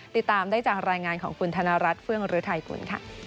ติดตามได้จากรายงานของคุณธนรัฐเฟื่องฤทัยกุลค่ะ